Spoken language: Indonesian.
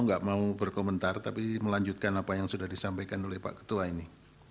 nggak mau berkomentar tapi melanjutkan apa yang sudah disampaikan oleh pak ketua ini